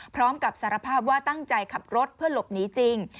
พร้อมกับสารภาพว่าตั้งใจขับรถเพื่อหลบหนีจริง